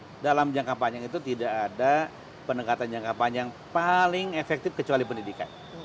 pendekatan jangka panjang itu tidak ada pendekatan jangka panjang paling efektif kecuali pendidikan